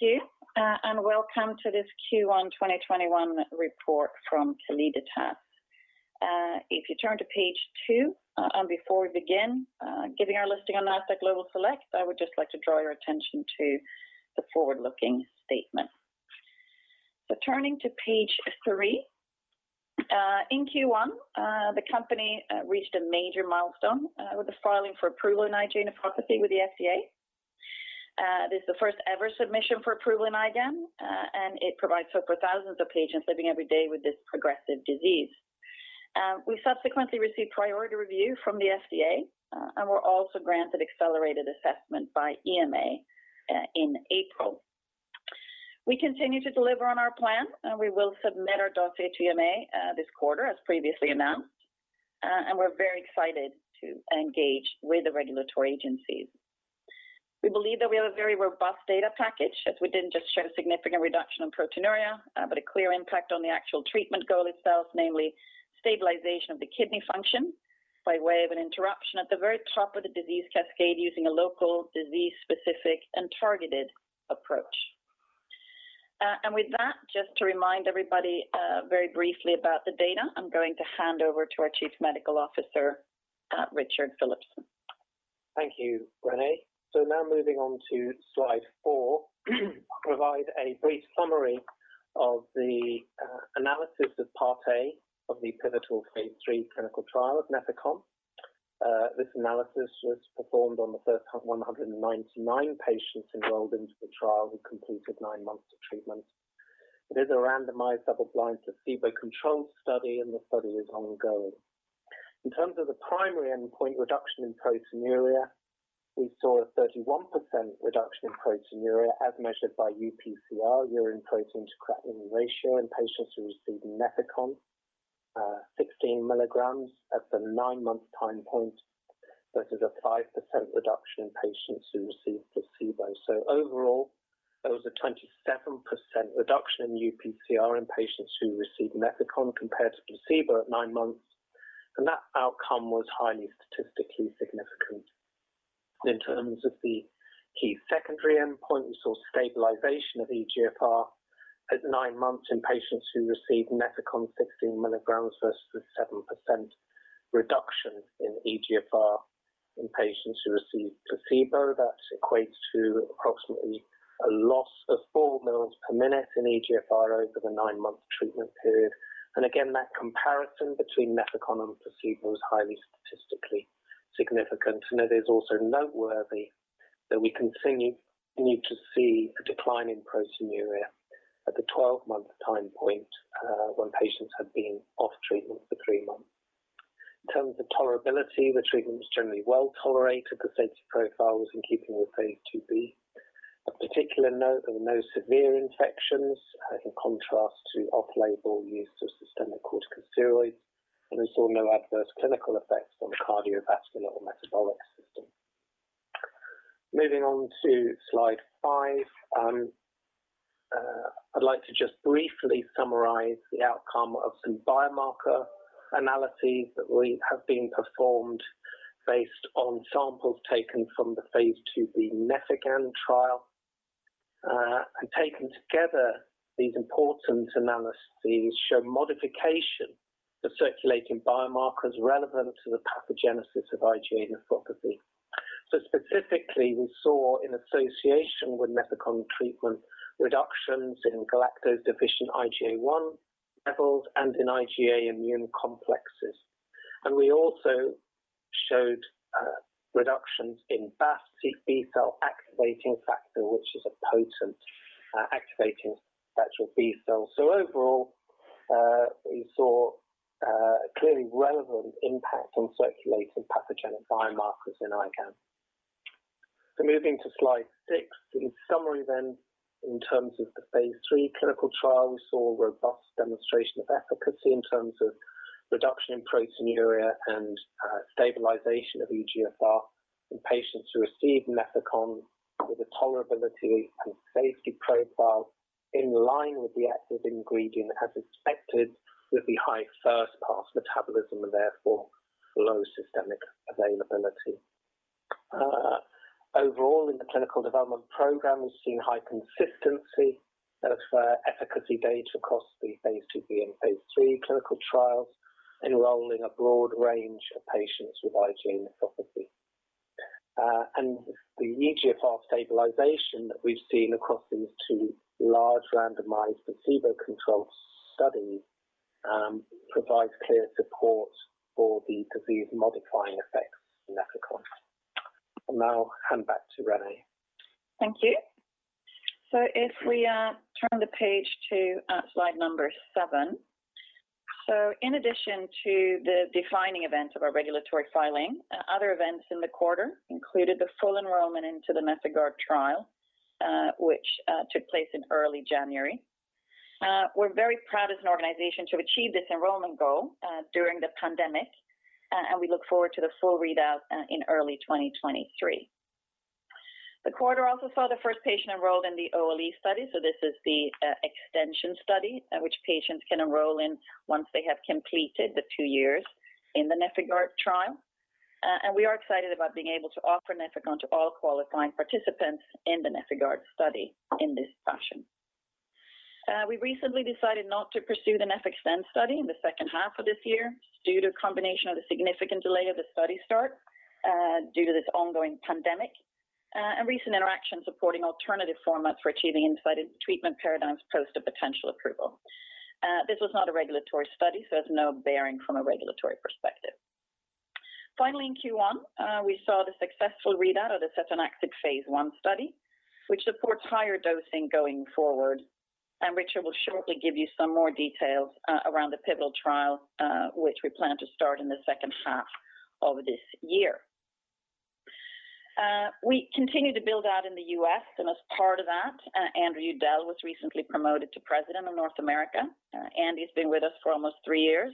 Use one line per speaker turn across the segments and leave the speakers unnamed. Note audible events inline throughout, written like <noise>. Thank you. Welcome to this Q1 2021 report from Calliditas. If you turn to page two. Before we begin, given our listing on Nasdaq Global Select, I would just like to draw your attention to the forward-looking statement. Turning to page three. In Q1, the company reached a major milestone with the filing for fulminant IgA nephropathy with the FDA. It is the first ever submission for fulminant IGAN. It provides hope for thousands of patients living every day with this progressive disease. We subsequently received priority review from the FDA. We were also granted accelerated assessment by EMA in April. We continue to deliver on our plans. We will submit our dossier to EMA this quarter as previously announced, and we're very excited to engage with the regulatory agencies. We believe that we have a very robust data package, as we didn't just show significant reduction of proteinuria, but a clear impact on the actual treatment goal itself, namely stabilization of the kidney function by way of an interruption at the very top of the disease cascade using a local disease-specific and targeted approach. With that, just to remind everybody very briefly about the data, I'm going to hand over to our Chief Medical Officer, Richard Philipson.
Thank you, Renée. Now moving on to slide four, provide a brief summary of the analysis of NefIgArd, of the pivotal phase III clinical trial of Nefecon. This analysis was performed on the first 199 patients enrolled into the trial who completed nine months of treatment. It is a randomized, double-blind, placebo-controlled study, the study is ongoing. In terms of the primary endpoint reduction in proteinuria, we saw a 31% reduction in proteinuria as measured by UPCR, urine protein to creatinine ratio in patients who received Nefecon 16mg at the nine-month time point versus a 5% reduction in patients who received placebo. Overall, there was a 27% reduction in UPCR in patients who received Nefecon compared to placebo at nine months, that outcome was highly statistically significant. In terms of the key secondary endpoint, we saw stabilization of eGFR at nine months in patients who received Nefecon 16mg versus a 7% reduction in eGFR in patients who received placebo. That equates to approximately a loss of four mils per minute in eGFR over the nine-month treatment period. Again, that comparison between Nefecon and placebo was highly statistically significant. It is also noteworthy that we continue to see the decline in proteinuria at the 12-month time point when patients had been off treatment for three months. In terms of tolerability, the treatment was generally well-tolerated. The safety profile was in keeping with phase IIb. Of particular note, there were no severe infections, as in contrast to off-label use of systemic corticosteroids, and we saw no adverse clinical effects on the cardiovascular or metabolic system. Moving on to slide five. I'd like to just briefly summarize the outcome of some biomarker analyses that have been performed based on samples taken from the phase IIb NEFIGAN trial. Taken together, these important analyses show modification of circulating biomarkers relevant to the pathogenesis of IgA nephropathy. Specifically, we saw in association with Nefecon treatment, reductions in galactose-deficient IgA1 levels and in IgA immune complexes. We also showed reductions in B-cell activating factor, which is a potent activating factor of B cells. Overall, we saw a clearly relevant impact on circulating pathogenic biomarkers in IGAN. Moving to slide six. In summary, in terms of the phase III clinical trial, we saw a robust demonstration of efficacy in terms of reduction in proteinuria and stabilization of eGFR in patients who received Nefecon with a tolerability and safety profile in line with the active ingredient as expected with the high first pass metabolism and therefore low systemic availability. Overall, in the clinical development program, we've seen high consistency of efficacy data across the phase IIb and phase III clinical trials enrolling a broad range of patients with IgA nephropathy. The eGFR stabilization that we've seen across these two large randomized placebo-controlled studies provides clear support for the disease-modifying effects of Nefecon. I'll now hand back to Renée.
Thank you. If we turn to page two at slide number seven. In addition to the defining event of our regulatory filing, other events in the quarter included the full enrollment into the NefIgArd trial, which took place in early January. We're very proud as an organization to achieve this enrollment goal during the pandemic, and we look forward to the full readout in early 2023. The quarter also saw the first patient enrolled in the OLE study, this is the extension study in which patients can enroll in once they have completed the two years in the NefIgArd trial. We are excited about being able to offer Nefecon to all qualifying participants in the NefIgArd study in this fashion. We recently decided not to pursue the NefIgArd study in the second half of this year due to a combination of the significant delay of the study start due to this ongoing pandemic and recent interactions supporting alternative formats for achieving treatment paradigms post of potential approval. This was not a regulatory study. There's no bearing from a regulatory perspective. Finally, in Q1, we saw the successful readout of the setanaxib phase I study, which supports higher dosing going forward. Richard will shortly give you some more details around the pivotal trial, which we plan to start in the second half of this year. We continue to build out in the U.S., and as part of that, Andrew Udell was recently promoted to President of North America. Andrew's been with us for almost three years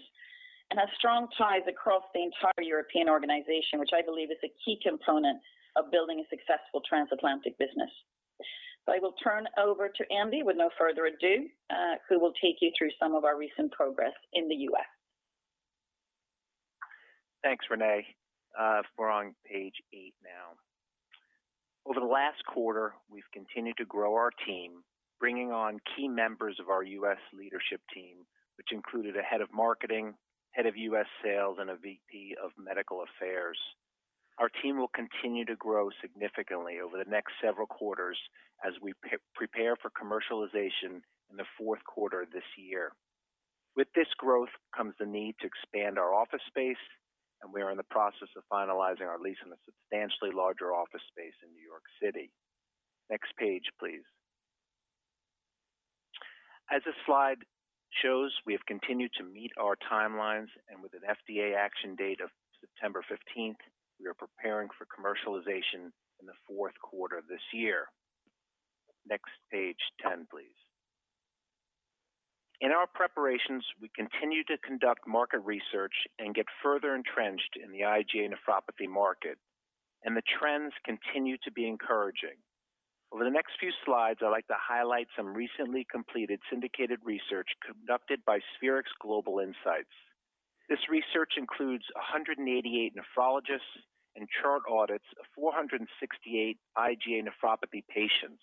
and has strong ties across the entire European organization, which I believe is a key component of building a successful transatlantic business. I will turn over to Andrew with no further ado, who will take you through some of our recent progress in the U.S.
Thanks, Renée. If we're on page eight now. Over the last quarter, we've continued to grow our team, bringing on key members of our U.S. leadership team, which included a head of marketing, head of U.S. sales, and a VP of medical affairs. Our team will continue to grow significantly over the next several quarters as we prepare for commercialization in the fourth quarter of this year. With this growth comes the need to expand our office space. We are in the process of finalizing our lease in a substantially larger office space in New York City. Next page, please. As the slide shows, we have continued to meet our timelines. With an FDA action date of September 15th, we are preparing for commercialization in the fourth quarter of this year. Next page, 10, please. In our preparations, we continue to conduct market research and get further entrenched in the IgA nephropathy market. The trends continue to be encouraging. Over the next few slides, I'd like to highlight some recently completed syndicated research conducted by Spherix Global Insights. This research includes 188 nephrologists and chart audits of 468 IgA nephropathy patients.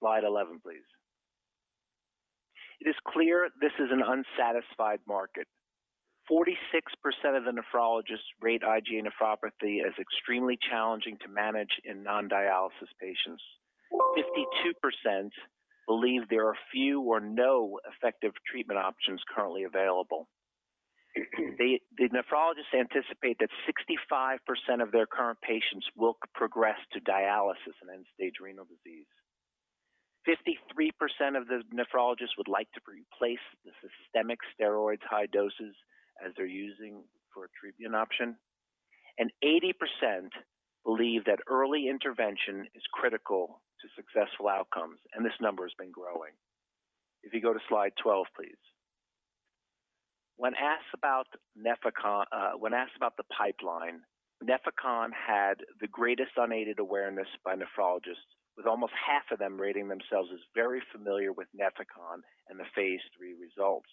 Slide 11, please. It is clear this is an unsatisfied market. 46% of the nephrologists rate IgA nephropathy as extremely challenging to manage in non-dialysis patients. 52% believe there are few or no effective treatment options currently available. The nephrologists anticipate that 65% of their current patients will progress to dialysis and end-stage renal disease. 53% of the nephrologists would like to replace the systemic steroids high doses as they're using for a treatment option. 80% believe that early intervention is critical to successful outcomes. This number has been growing. If you go to slide 12, please. When asked about the pipeline, Nefecon had the greatest unaided awareness by nephrologists, with almost half of them rating themselves as very familiar with Nefecon and the phase III results.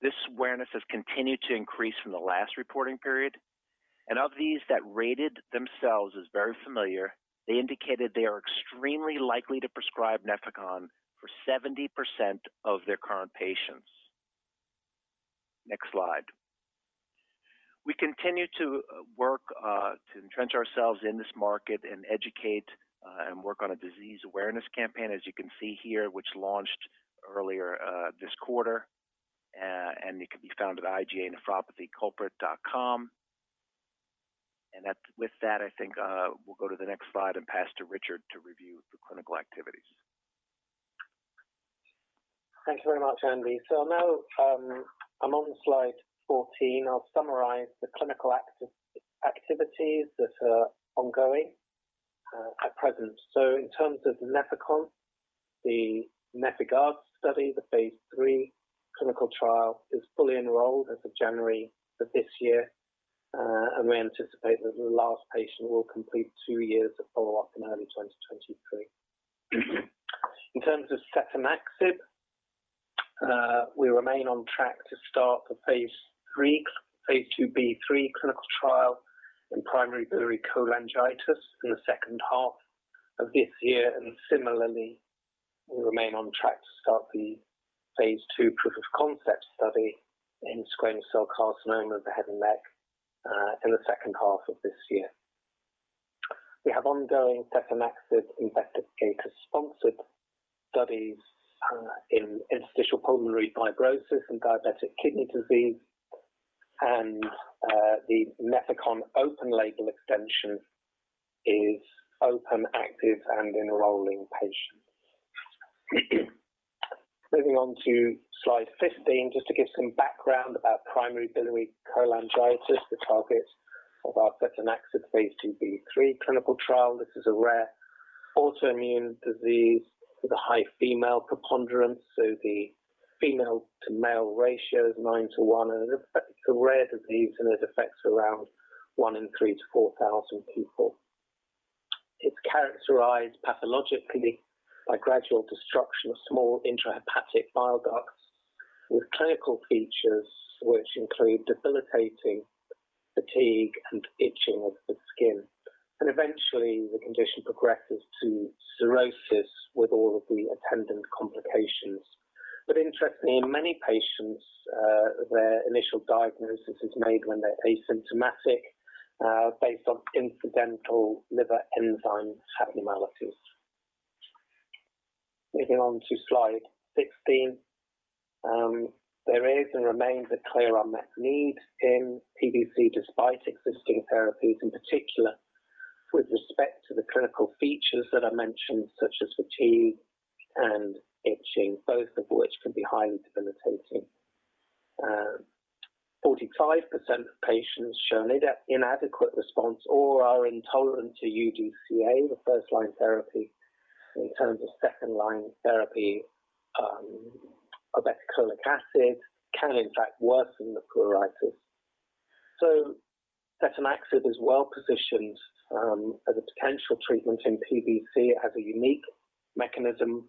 This awareness has continued to increase from the last reporting period. Of these that rated themselves as very familiar, they indicated they are extremely likely to prescribe Nefecon for 70% of their current patients. Next slide. We continue to work to entrench ourselves in this market and educate and work on a disease awareness campaign, as you can see here, which launched earlier this quarter, and it can be found at iganephropathyculprit.com. With that, I think we'll go to the next slide and pass to Richard to review the clinical activities.
Thanks very much, Andy. Now, I'm on slide 14. I'll summarize the clinical activities that are ongoing at present. In terms of Nefecon, the NefIgArd study, the phase III clinical trial, is fully enrolled as of January of this year, and we anticipate that the last patient will complete two years of follow-up in early 2023. In terms of setanaxib, we remain on track to start the phase IIb/III clinical trial in primary biliary cholangitis in the second half of this year. Similarly, we remain on track to start the phase II proof of concept study in squamous cell carcinoma of the head and neck in the second half of this year. We have ongoing setanaxib investigator-sponsored studies in interstitial pulmonary fibrosis and diabetic kidney disease, and the Nefecon open label extension is open, active, and enrolling patients. Moving on to slide 15, just to give some background about primary biliary cholangitis, the target of our setanaxib phase IIb/III clinical trial. This is a rare autoimmune disease with a high female preponderance, so the female to male ratio is nine to one, and it is a rare disease, and it affects around one in 3,000-4,000 people. Characterized pathologically by gradual destruction of small intrahepatic bile ducts with clinical features which include debilitating fatigue and itching of the skin. Eventually, the condition progresses to cirrhosis with all of the attendant complications. Interestingly, in many patients, their initial diagnosis is made when they're asymptomatic, based on incidental liver enzyme abnormalities. Moving on to slide 16. There is and remains a clear unmet need in PBC despite existing therapies, in particular, with respect to the clinical features that I mentioned, such as fatigue and itching, both of which can be highly debilitating. 45% of patients show inadequate response or are intolerant to UDCA, the first-line therapy. In terms of second-line therapy, obeticholic acid can in fact worsen the pruritus. Setanaxib is well-positioned as a potential treatment in PBC. It has a unique mechanism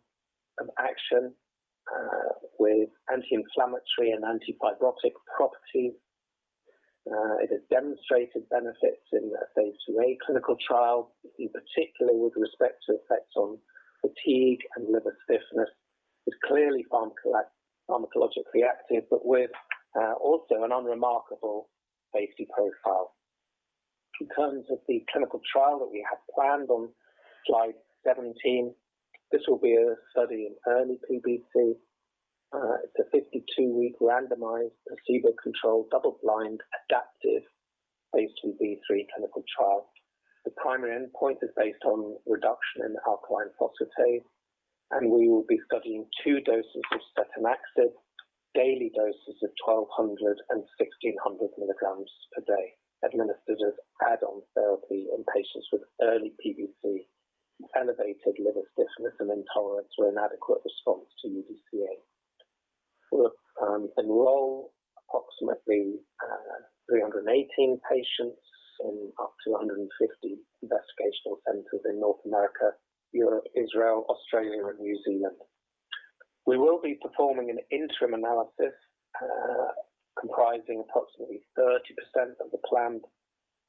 of action with anti-inflammatory and anti-fibrotic properties. It has demonstrated benefits in a phase IIa clinical trial, in particular with respect to effects on fatigue and liver stiffness. It's clearly pharmacologically active, but with also an unremarkable safety profile. In terms of the clinical trial that we have planned on slide 17, this will be a study in early PBC. It's a 52-week randomized, placebo-controlled, double-blind, adaptive phase IIb/III clinical trial. The primary endpoint is based on reduction in alkaline phosphatase, and we will be studying two doses of setanaxib, daily doses of 1,200mg and 1,600mg a day, administered as add-on therapy in patients with early PBC, with elevated liver stiffness and intolerance or inadequate response to UDCA. We'll enroll approximately 318 patients in up to 150 investigational centers in North America, Europe, Israel, Australia, and New Zealand. We will be performing an interim analysis comprising approximately 30% of the planned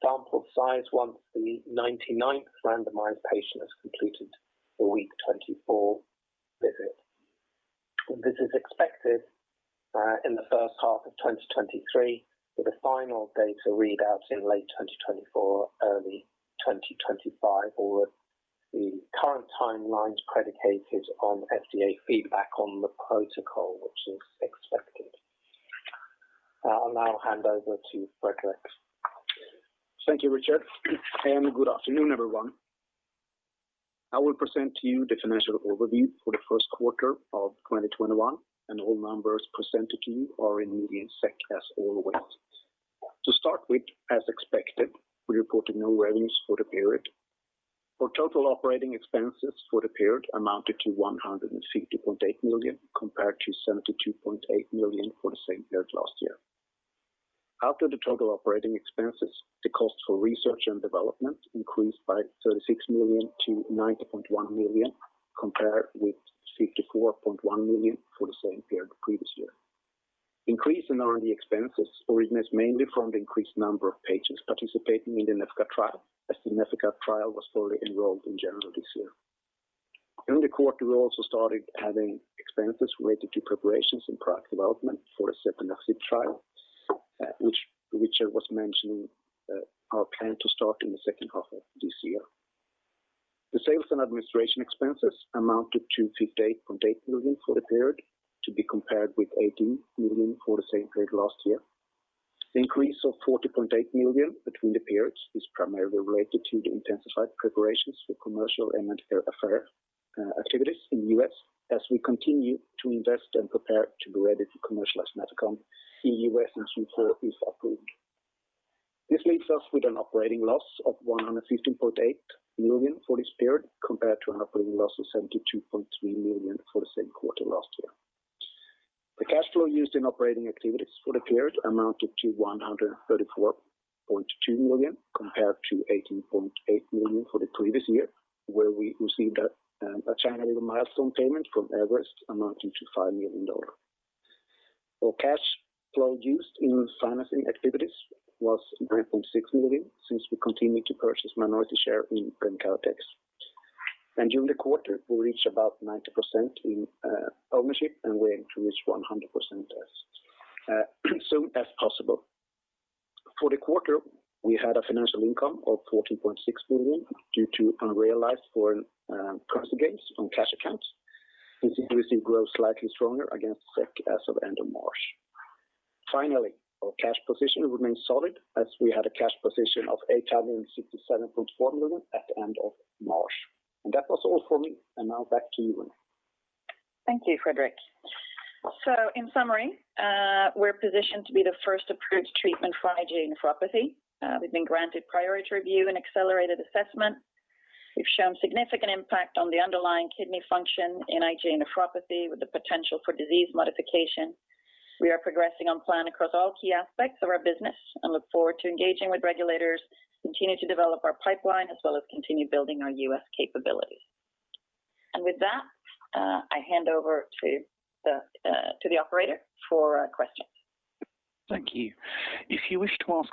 sample size once the 99th randomized patient has completed the week 24 visit. This is expected in the first half of 2023, with a final data readout in late 2024, early 2025, or the current timelines predicated on FDA feedback on the protocol, which is expected. I will now hand over to Fredrik.
Thank you, Richard. Good afternoon, everyone. I will present to you the financial overview for the first quarter of 2021, and all numbers presented to you are in million SEK, as always. To start with, as expected, we report a net loss for the period. Our total operating expenses for the period amounted to 150.8 million, compared to 72.8 million for the same period last year. Out of the total operating expenses, the cost for research and development increased by 36 million to 90.1 million, compared with 64.1 million for the same period the previous year. Increase in R&D expenses originates mainly from the increased number of patients participating in the NefIgArd trial, as the NefIgArd trial was fully enrolled in January this year. During the quarter, we also started adding expenses related to preparations and product development for the setanaxib trial, which Richard was mentioning are planned to start in the second half of this year. The sales and administration expenses amounted to 58.8 million for the period, to be compared with 18 million for the same period last year. The increase of 40.8 million between the periods is primarily related to the intensified preparations for commercial and affair activities in the U.S. as we continue to invest and prepare to be ready to commercialize Nefecon once the U.S. New Drug Application is approved. This leaves us with an operating loss of 115.8 million for this period, compared to an operating loss of 72.3 million for the same quarter last year. The cash flow used in operating activities for the period amounted to 134.2 million, compared to 18.8 million for the previous year, where we received a milestone payment from Everest amounting to $5 million. Our cash flow used in financing activities was 9.6 million since we continued to purchase minority share in Genkyotex. During the quarter, we reached about 90% in ownership, and we aim to reach 100% as soon as possible. For the quarter, we had a financial income of 14.6 million due to unrealized foreign currency gains from cash accounts, including SEK growing slightly stronger against SEK as of the end of March. Finally, our cash position remains solid as we had a cash position of 867.4 million at the end of March. That was all for me. Now back to you, Renée.
Thank you, Fredrik. In summary, we're positioned to be the first approved treatment for IgA nephropathy. We've been granted priority review and accelerated assessment. We've shown significant impact on the underlying kidney function in IgA nephropathy with the potential for disease modification. We are progressing on plan across all key aspects of our business and look forward to engaging with regulators, continue to develop our pipeline, as well as continue building our U.S. capability. With that, I hand over to the operator for questions.
The first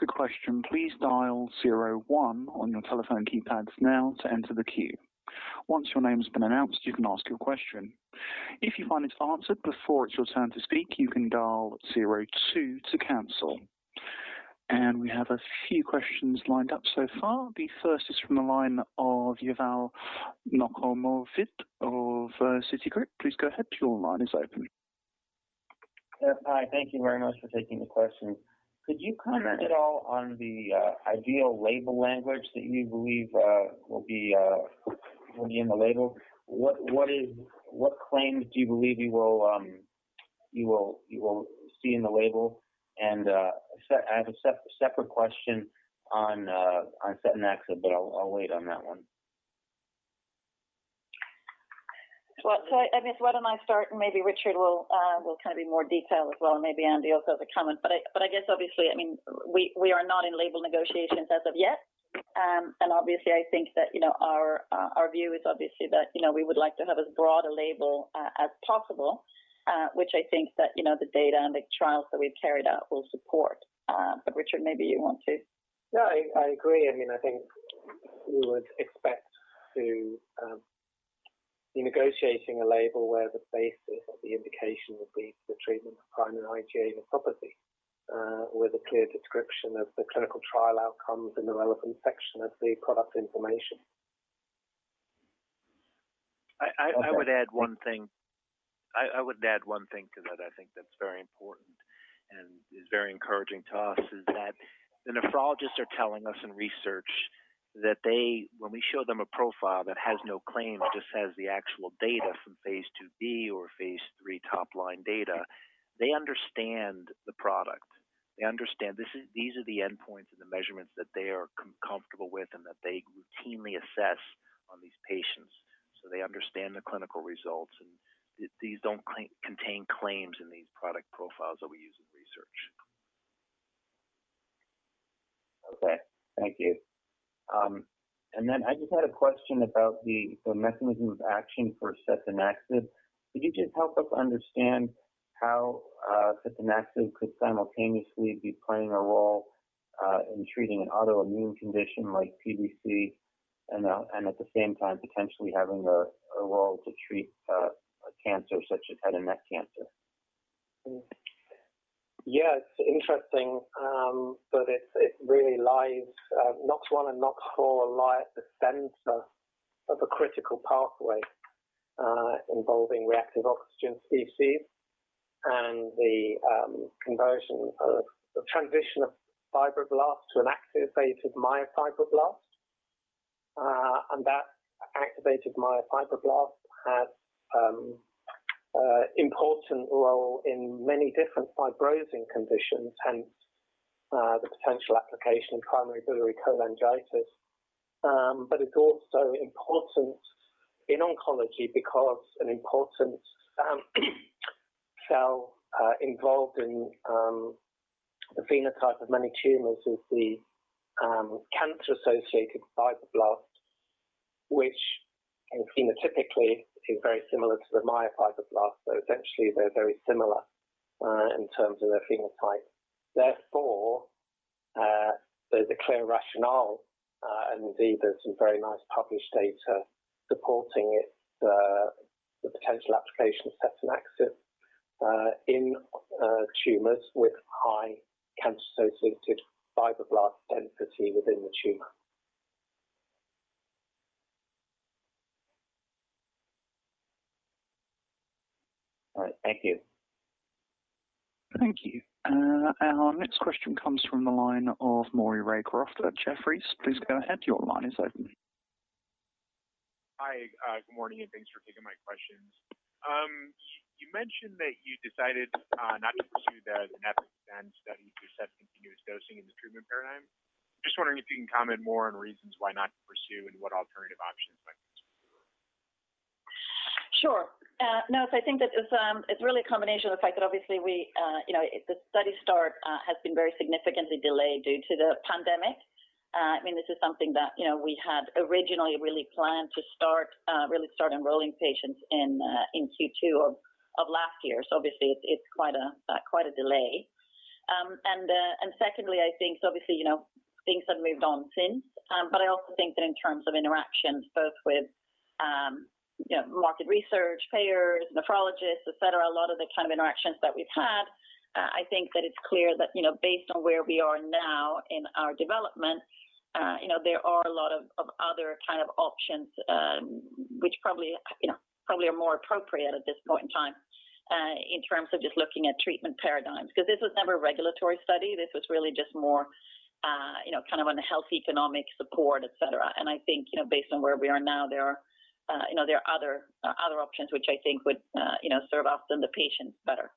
is from the line of Yigal Nochomovitz of Citigroup.
Yeah. Hi. Thank you very much for taking the question. Could you comment at all on the ideal label language that you believe will be in the label? What claims do you believe you will see in the label? I have a separate question on setanaxib, but I'll wait on that one.
I guess why don't I start and maybe Richard will have more detail as well, and maybe Andy also have a comment. I guess obviously, we are not in label negotiations as of yet. Obviously I think that our view is obviously that, we would like to have as broad a label as possible, which I think that the data and the trials that we carried out will support. Richard, maybe you want to.
No, I agree. I think we would expect to be negotiating a label where the basis of the indication would be for treatment of primary IgA nephropathy, with a clear description of the clinical trial outcomes in the relevant section of the product information.
I would add one thing to that I think that's very important and is very encouraging to us is that the nephrologists are telling us in research that when we show them a profile that has no claims, just has the actual data from phase II-B or phase III top-line data, they understand the product. They understand these are the endpoints and the measurements that they are comfortable with and that they routinely assess on these patients. They understand the clinical results, and these don't contain claims in these product profiles that we use in research.
Okay. Thank you. I just had a question about the mechanism of action for setanaxib. Could you just help us understand how setanaxib could simultaneously be playing a role in treating an autoimmune condition like PBC and at the same time potentially having a role to treat a cancer such as head and neck cancer?
Yeah. It's interesting. NOX1 and NOX4 lie at the center of a critical pathway, involving reactive oxygen species and the transition of fibroblasts to an activated myofibroblast. That activated myofibroblast has important role in many different fibrosing conditions, hence the potential application in primary biliary cholangitis. It's also important in oncology because an important cell involved in the phenotype of many tumors is the cancer-associated fibroblasts, which phenotypically is very similar to the myofibroblasts. Essentially they're very similar in terms of their phenotype. There's a clear rationale, and indeed there's some very nice published data supporting the potential application of setanaxib in tumors with high cancer-associated fibroblast density within the tumor.
All right. Thank you.
Thank you. Our next question comes from the line of Maury Raycroft with Jefferies. Please go ahead. Your line is open.
Hi, good morning and thanks for taking my questions. You mentioned that you decided not to pursue the NefIgArd extension study. <inaudible>
Sure. I think that it's really a combination of the fact that obviously the study start has been very significantly delayed due to the pandemic. This is something that we had originally really planned to start enrolling patients in Q2 of last year. Obviously it's quite a delay. Secondly, I think obviously, things have moved on since. I also think that in terms of interactions both with market research, payers, nephrologists, et cetera, a lot of the kind of interactions that we've had, I think that it's clear that based on where we are now in our development, there are a lot of other options, which probably are more appropriate at this point in time, in terms of just looking at treatment paradigms. This was never a regulatory study. This was really just more kind of on the health, economic support, et cetera. I think based on where we are now, there are other options which I think would serve us and the patients better.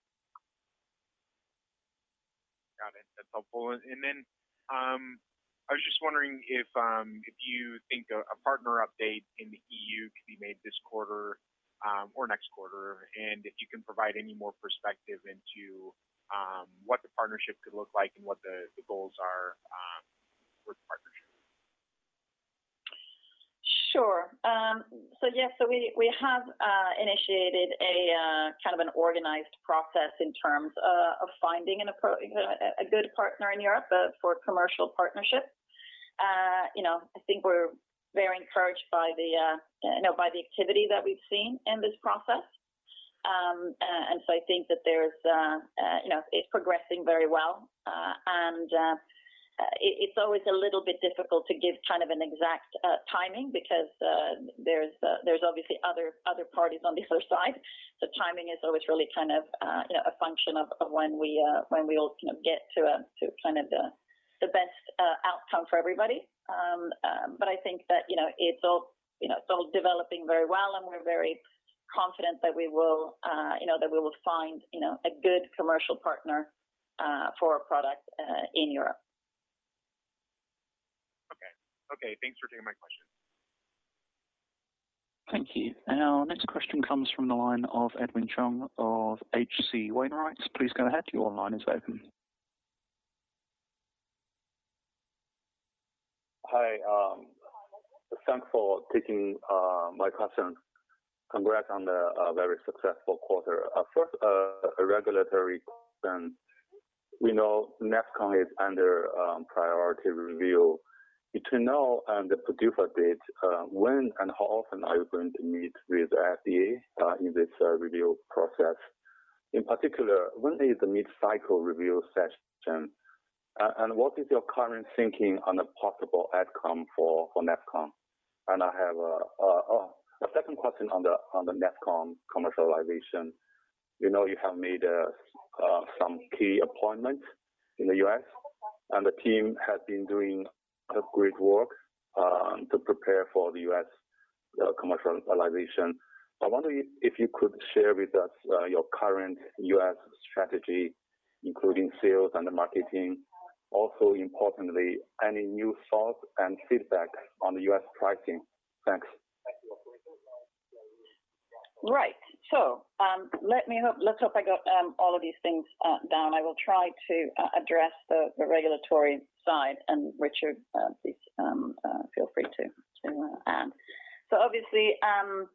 Got it. That's helpful. I was just wondering if you think a partner update in the E.U. can be made this quarter or next quarter, and if you can provide any more perspective into what the partnership could look like and what the goals are for the partnership.
Sure. Yes, we have initiated an organized process in terms of finding a good partner in Europe for a commercial partnership. I think we're very encouraged by the activity that we've seen in this process. I think that it's progressing very well. It's always a little bit difficult to give an exact timing because there's obviously other parties on the other side. Timing is always really a function of when we ultimately get to the best outcome for everybody. I think that it's all developing very well, and we're very confident that we will find a good commercial partner for our product in Europe.
Okay. Thanks for doing my question.
Thank you. Our next question comes from the line of Edwin Chung of H.C. Wainwright. Please go ahead, your line is open.
Hi. Thanks for taking my question. Congrats on the very successful quarter. 1st, a regulatory question. We know Nefecon is under priority review. Could you know the PDUFA date, when and how often are you going to meet with the FDA in this review process? In particular, when is the mid-cycle review session? What is your current thinking on a possible outcome for Nefecon? I have a 2nd question on the Nefecon commercialization. You have made some key appointments in the U.S., and the team has been doing great work to prepare for the U.S. commercialization. I wonder if you could share with us your current U.S. strategy, including sales and marketing. Also importantly, any new thoughts and feedback on the U.S. pricing. Thanks.
Let's hope I got all of these things down. I will try to address the regulatory side, and Richard, please feel free to add. Obviously, I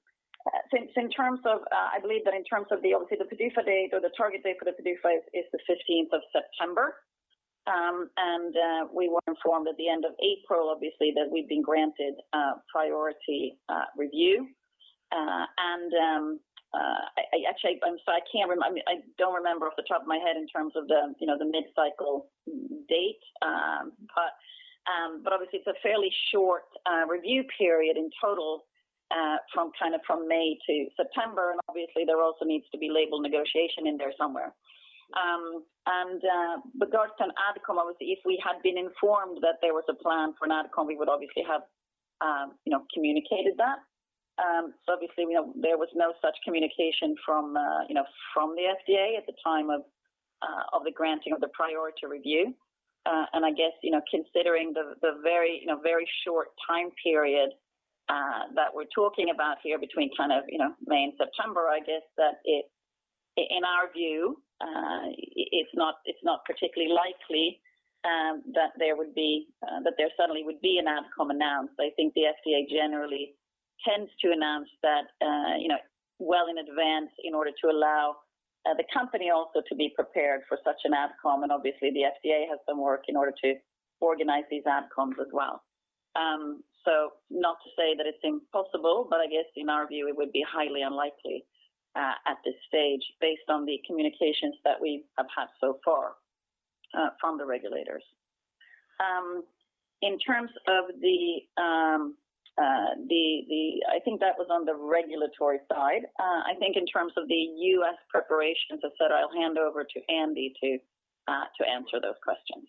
believe that in terms of obviously the PDUFA date or the target date for the PDUFA is the 15th of September. We were informed at the end of April, obviously, that we've been granted priority review. Actually, I don't remember off the top of my head in terms of the mid-cycle date. Obviously, it's a fairly short review period in total from May to September. Obviously, there also needs to be label negotiation in there somewhere. Regards to an Adcom, obviously, if we had been informed that there was a plan for an Adcom, we would obviously have communicated that. Obviously, there was no such communication from the FDA at the time of the granting of the priority review. I guess considering the very short time period that we're talking about here between May and September, I guess that in our view, it's not particularly likely that there suddenly would be an Adcom announced. I think the FDA generally tends to announce that well in advance in order to allow the company also to be prepared for such an Adcom. Obviously, the FDA has some work in order to organize these Adcoms as well. Not to say that it's impossible, but I guess in our view, it would be highly unlikely at this stage based on the communications that we have had so far from the regulators. I think that was on the regulatory side. I think in terms of the U.S. preparations, I'll hand over to Andy to answer those questions.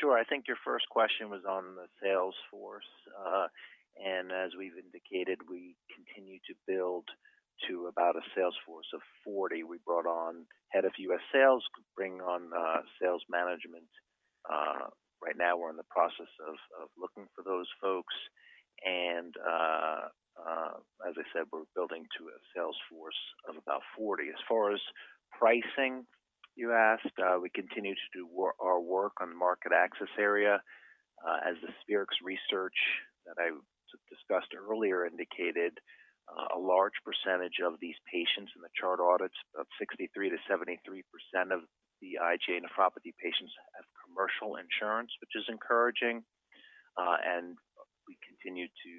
Sure. I think your 1st question was on the sales force. As we've indicated, we continue to build to about a sales force of 40. We brought on head of U.S. sales, could bring on sales management. Right now we're in the process of looking for those folks. As I said, we're building to a sales force of about 40. As far as pricing, you asked, we continue to do our work on the market access area. As the Spherix research that I discussed earlier indicated, a large percentage of these patients in the chart audits, about 63%-73% of the IgA nephropathy patients have commercial insurance, which is encouraging. We continue to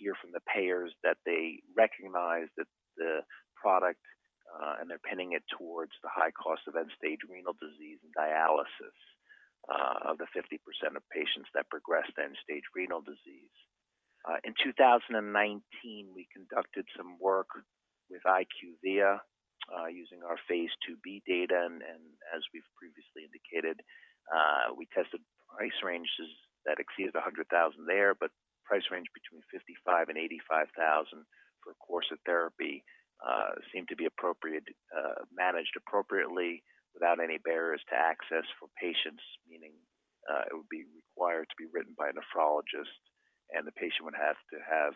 hear from the payers that they recognize the product and are pinning it towards the high cost of end-stage renal disease and dialysis of the 50% of patients that progress to end-stage renal disease. In 2019, we conducted some work with IQVIA using our phase IIb data. As we've previously indicated. We tested price ranges that exceeded $100,000 there, but price range between $55,000 and $85,000 for a course of therapy seemed to be managed appropriately without any barriers to access for patients, meaning it would be required to be written by a nephrologist and the patient would have to have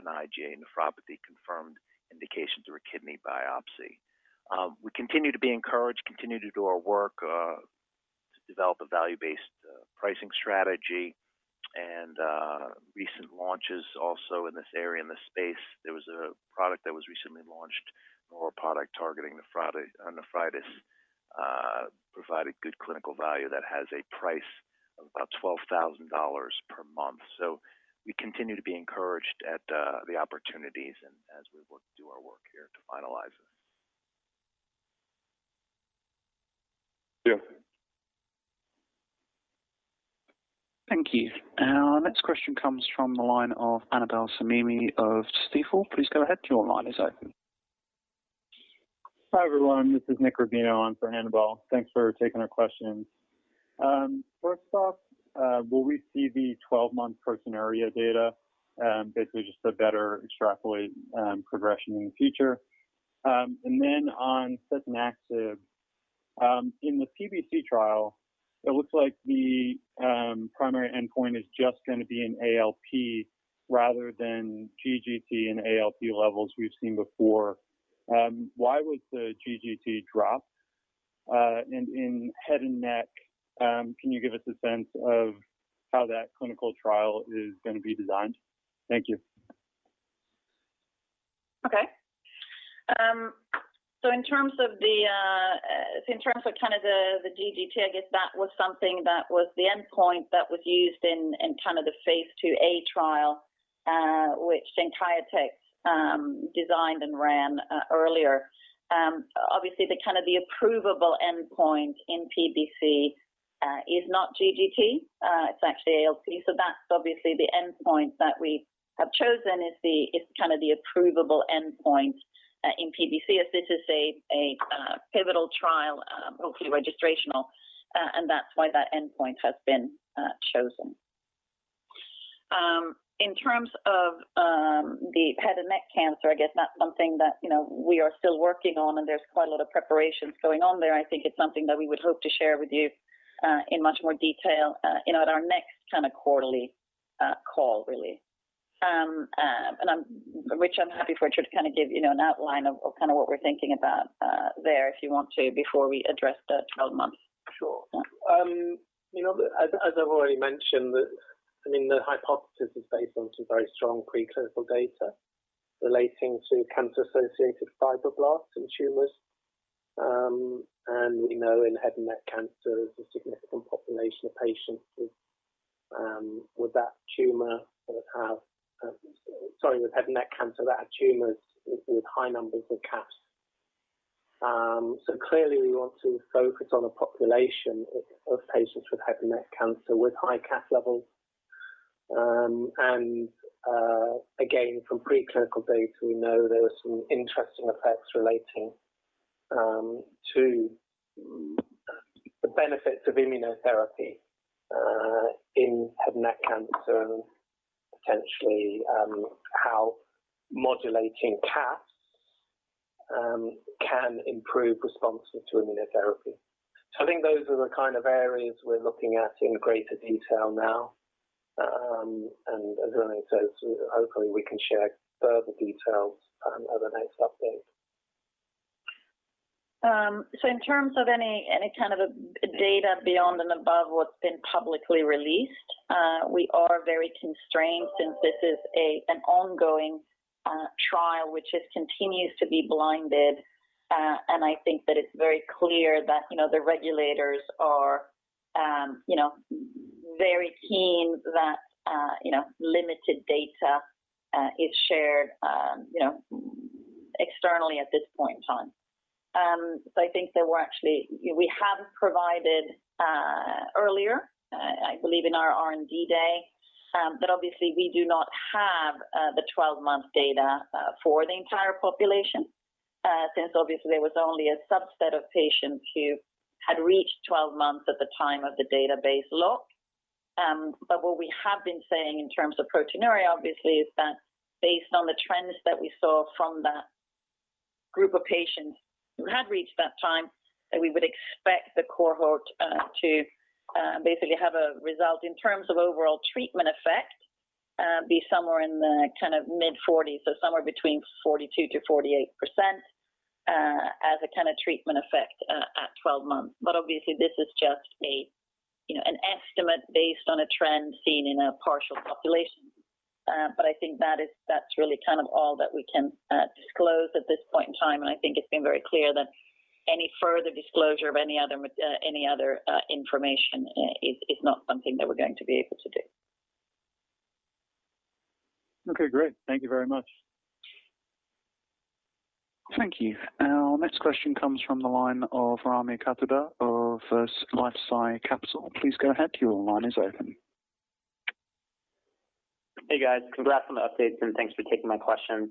an IgA nephropathy confirmed indications or a kidney biopsy. We continue to be encouraged, continue to do our work to develop a value-based pricing strategy and recent launches also in this area, in the space. There was a product that was recently launched, an oral product targeting nephritis, provided good clinical value that has a price of about $12,000 per month. We continue to be encouraged at the opportunities and as we do our work here to finalize it.
Thank you. Our next question comes from the line of Annabel Samimy of Stifel. Please go ahead, your line is open.
Hi, everyone. This is Nicholas Rubino on for Annabel. Thanks for taking our questions. First off, will we see the 12-month proteinuria data, basically just to better extrapolate progression in the future? On setanaxib, in the PBC trial, it looks like the primary endpoint is just going to be an ALP rather than GGT and ALP levels we've seen before. Why was the GGT dropped? In head and neck, can you give us a sense of how that clinical trial is going to be designed? Thank you.
In terms of the GGT, I guess that was something that was the endpoint that was used in the phase llA trial, which Genkyotex designed and ran earlier. Obviously, the approvable endpoint in PBC is not GGT. It is actually ALP. That is obviously the endpoint that we have chosen is the approvable endpoint in PBC, as this is a pivotal trial, obviously registrational, and that is why that endpoint has been chosen. In terms of the head and neck cancer, I guess that is something that we are still working on and there is quite a lot of preparation going on there. I think it is something that we would hope to share with you in much more detail in our next quarterly call, really. Rich, I'm happy for you to give an outline of what we're thinking about there, if you want to, before we address the 12 months.
Sure. As I've already mentioned, I think the hypothesis is based on some very strong preclinical data relating to cancer-associated fibroblasts in tumors. We know in head and neck cancer, there's a significant population of patients with head and neck cancer that have tumors with high numbers of CAFs. Clearly, we want to focus on a population of patients with head and neck cancer with high CAF levels. Again, from preclinical data, we know there are some interesting effects relating to the benefits of immunotherapy in head and neck cancer and potentially how modulating CAFs can improve responses to immunotherapy. I think those are the kind of areas we're looking at in greater detail now. As I say, hopefully we can share further details at the next update.
In terms of any kind of data beyond and above what's been publicly released, we are very constrained since this is an ongoing trial, which just continues to be blinded. I think that it's very clear that the regulators are very keen that limited data is shared externally at this point in time. I think that we have provided earlier, I believe in our R&D day. Obviously we do not have the 12-month data for the entire population since obviously there was only a subset of patients who had reached 12 months at the time of the database lock. What we have been saying in terms of proteinuria, obviously, is that based on the trends that we saw from that group of patients who had reached that time, that we would expect the cohort to basically have a result in terms of overall treatment effect, be somewhere in the mid-40s, so somewhere between 42%-48%, as a treatment effect at 12 months. Obviously this is just an estimate based on a trend seen in a partial population. I think that's really all that we can disclose at this point in time. I think it's been very clear that any further disclosure of any other information is not something that we're going to be able to do.
Okay, great. Thank you very much.
Thank you. Our next question comes from the line of Rami Katkhuda of LifeSci Capital. Please go ahead, your line is open.
Hey guys, congrats on the updates. Thanks for taking my questions.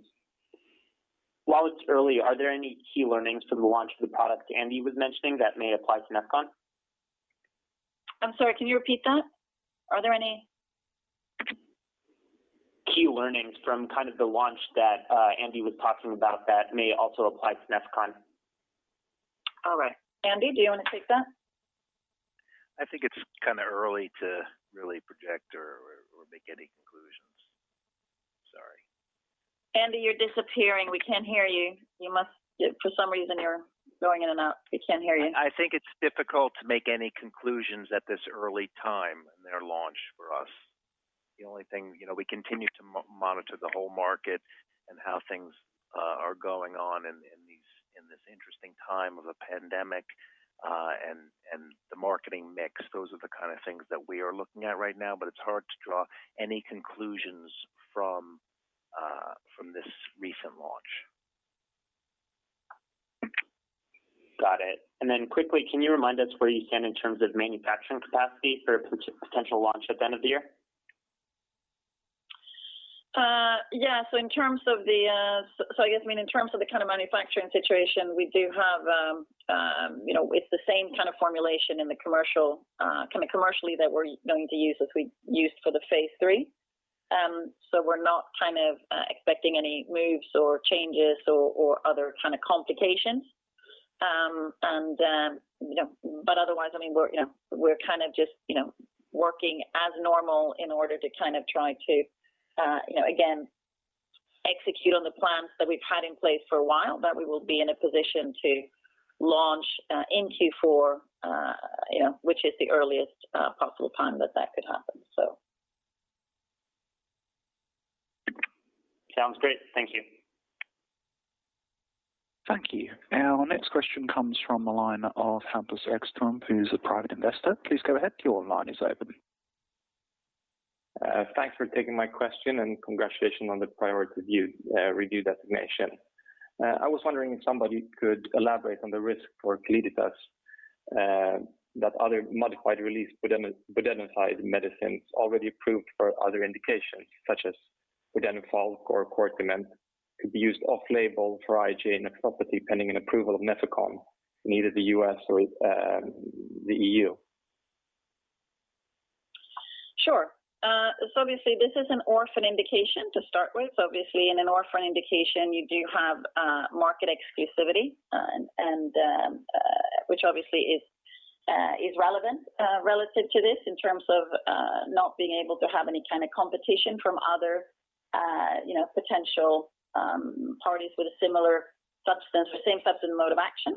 While it's early, are there any key learnings from the launch of the product Andy was mentioning that may apply to Nefecon?
I'm sorry, can you repeat that? Are there any?
Key learnings from the launch that Andy was talking about that may also apply to Nefecon.
All right. Andy, do you want to take that?
I think it's early to really project or make any conclusions. Sorry.
Andy, you're disappearing. We can't hear you. For some reason, you're going in and out. We can't hear you.
I think it's difficult to make any conclusions at this early time in their launch for us. The only thing, we continue to monitor the whole market and how things are going on in this interesting time of a pandemic, and the marketing mix. Those are the kind of things that we are looking at right now, but it's hard to draw any conclusions from this recent launch.
Got it. Quickly, can you remind us where you stand in terms of manufacturing capacity for potential launch at the end of the year?
In terms of the manufacturing situation, it's the same kind of formulation commercially that we're going to use as we used for the phase III. We're not expecting any moves or changes or other kind of complications. Otherwise, we're just working as normal in order to try to again, execute on the plans that we've had in place for a while, that we will be in a position to launch in Q4, which is the earliest possible time that that could happen.
Sounds great. Thank you.
Thank you. Our next question comes from the line of Hampus Ekström, who's a private investor. Please go ahead. Your line is open.
Thanks for taking my question, congratulations on the priority review designation. I was wondering if somebody could elaborate on the risk for Calliditas that other modified release budesonide medicines already approved for other indications, such as Budenofalk or Cortiment, could be used off-label for IgA nephropathy pending an approval of Nefecon in either the U.S. or the E.U.
Sure. Obviously this is an orphan indication to start with. Obviously in an orphan indication you do have market exclusivity, which obviously is relevant relative to this in terms of not being able to have any kind of competition from other potential parties with a similar substance, the same substance mode of action.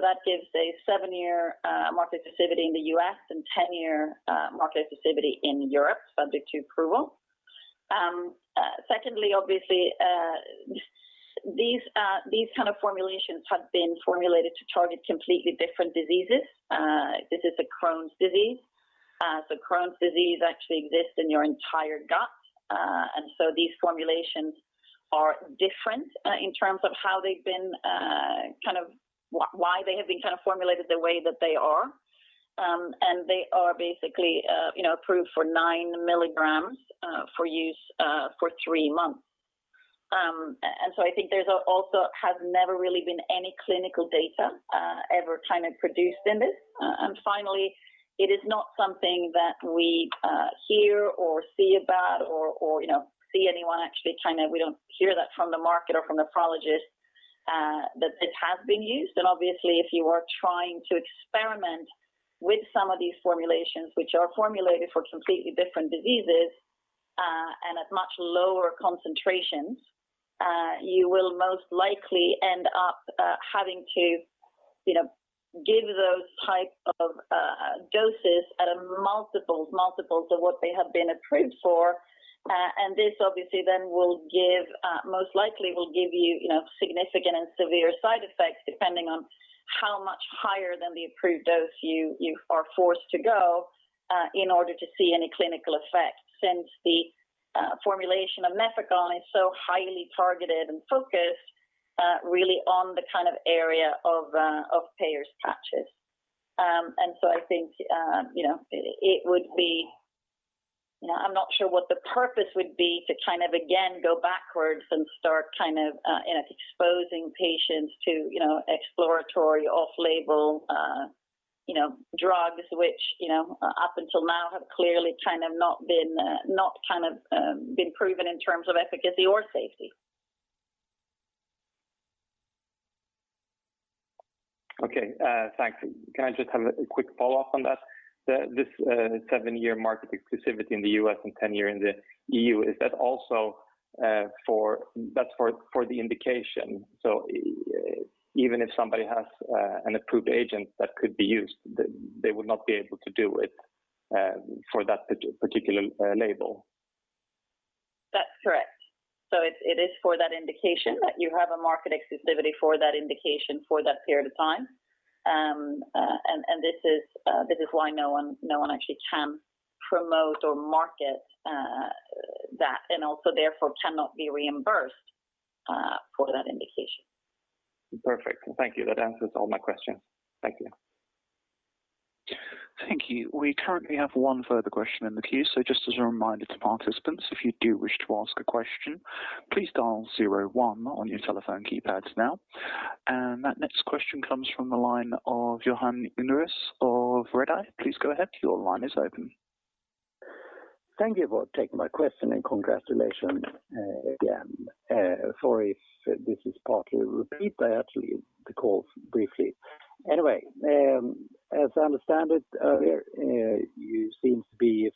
That gives a seven-year market exclusivity in the U.S. and 10-year market exclusivity in Europe subject to approval. Secondly, obviously, these kind of formulations have been formulated to target completely different diseases. This is a Crohn's disease. Crohn's disease actually exists in your entire gut. These formulations are different in terms of why they have been formulated the way that they are. They are basically approved for 9mg for use for three months. I think there also has never really been any clinical data ever produced in this. Finally, it is not something that we hear or see about or hear that from the market or from nephrologists, that this has been used. Obviously if you are trying to experiment with some of these formulations, which are formulated for completely different diseases, and at much lower concentrations, you will most likely end up having to give those type of doses at multiples of what they have been approved for. This obviously then most likely will give you significant and severe side effects depending on how much higher than the approved dose you are forced to go in order to see any clinical effect. Since the formulation of Nefecon is so highly targeted and focused really on the area of Peyer's patches. I think I'm not sure what the purpose would be to again go backwards and start exposing patients to exploratory off-label drugs, which up until now have clearly not been proven in terms of efficacy or safety.
Okay, thanks. Can I just have a quick follow-up on that? This seven-year market exclusivity in the U.S. and 10-year in the E.U., is that also for the indication? Even if somebody has an approved agent that could be used, they would not be able to do it for that particular label.
That's correct. It is for that indication that you have a market exclusivity for that indication for that period of time. This is why no one actually can promote or market that, and also therefore cannot be reimbursed for that indication.
Perfect. Thank you. That answers all my questions. Thank you.
Thank you. We currently have one further question in the queue. That next question comes from the line of Johan Lövis of Redeye. Please go ahead. Your line is open.
Thank you for taking my question and congratulations again. Sorry if this is partly a repeat, but I actually left the call briefly. As I understand it, you seem to be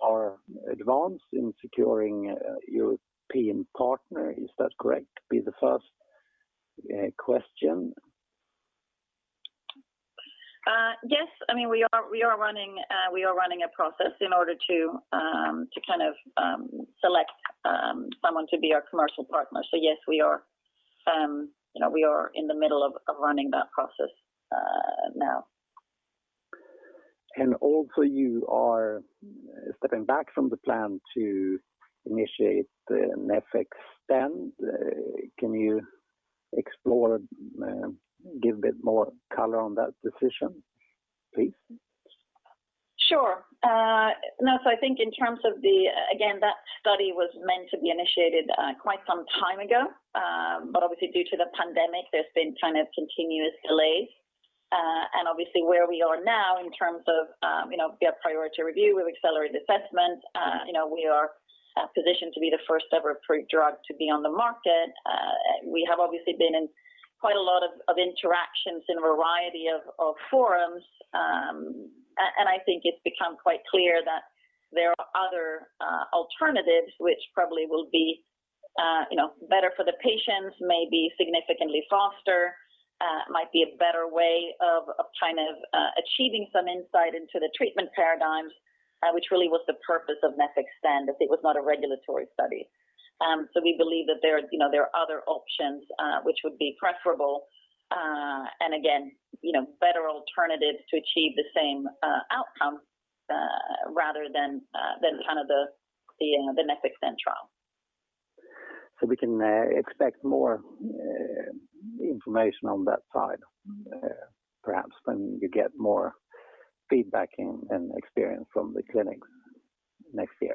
far advanced in securing a European partner. Is that correct? To be the first question.
Yes, we are running a process in order to select someone to be our commercial partner. Yes, we are in the middle of running that process now.
Also you are stepping back from the plan to initiate the NEFEX-EXTEND. Can you explore, give a bit more color on that decision, please?
Sure. I think in terms of the, again, that study was meant to be initiated quite some time ago. Obviously due to the pandemic, there's been kind of continuous delays. Obviously where we are now in terms of we have priority review, accelerated assessment. We are positioned to be the first-ever drug to be on the market. We have obviously been in quite a lot of interactions in a variety of forums. I think it's become quite clear that there are other alternatives which probably will be better for the patients, may be significantly faster, might be a better way of achieving some insight into the treatment paradigm, which really was the purpose of NEFEX-EXTEND, as it was not a regulatory study. We believe that there are other options which would be preferable. Again, better alternatives to achieve the same outcome rather than the NEFEX-EXTEND trial.
We can expect more information on that side perhaps when you get more feedback and experience from the clinics next year.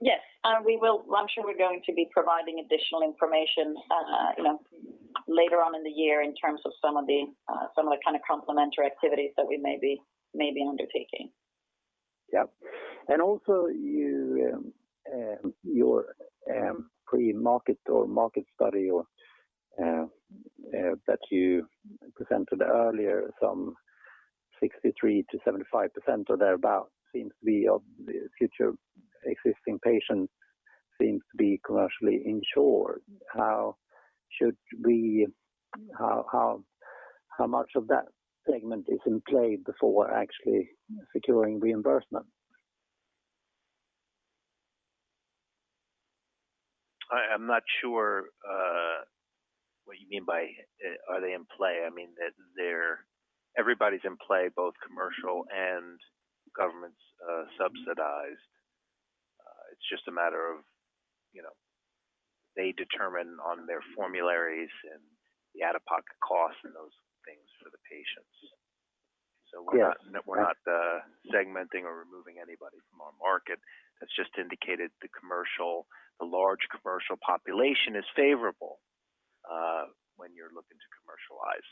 Yes. I'm sure we're going to be providing additional information later on in the year in terms of some of the complementary activities that we may be undertaking.
Yeah. Also your pre-market or market study that you presented earlier, some 63%-75% or thereabout of the future existing patients seems to be commercially insured. How much of that segment is in play before actually securing reimbursement?
I'm not sure what you mean by are they in play. I mean everybody's in play, both commercial and government subsidized. It's just a matter of they determine on their formularies and the out-of-pocket costs and those things for the patients.
Yes.
We're not segmenting or removing anybody from our market. That's just indicated the large commercial population is favorable when you're looking to commercialize.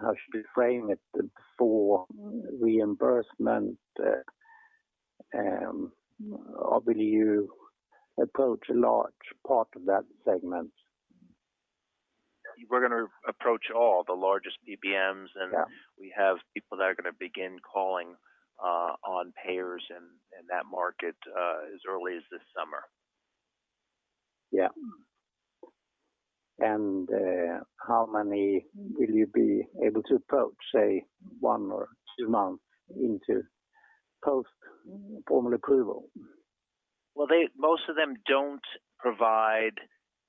How should we frame it before reimbursement? Obviously, you approach a large part of that segment.
We're going to approach all the largest PBMs.
Yeah
We have people that are going to begin calling on payers in that market as early as this summer.
Yeah. How many will you be able to approach, say, one or two months into post formal approval?
Well, most of them don't provide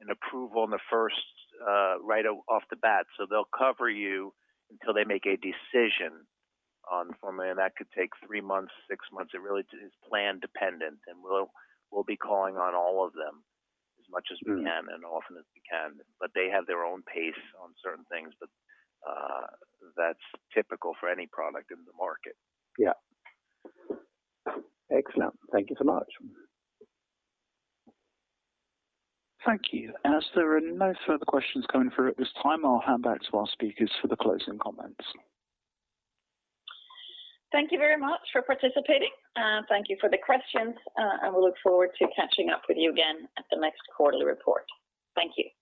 an approval right off the bat. They'll cover you until they make a decision on formulary, and that could take three months, six months. It really is plan dependent, we'll be calling on all of them as much as we can and often as we can. They have their own pace on certain things, but that's typical for any product in the market.
Yeah. Excellent. Thank you so much.
Thank you. As there are no further questions coming through at this time, I'll hand back to our speakers for the closing comments.
Thank you very much for participating. Thank you for the questions. I look forward to catching up with you again at the next quarterly report. Thank you.